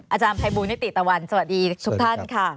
อาจารย์ภัยบูลนิติตะวันสวัสดีทุกท่านค่ะ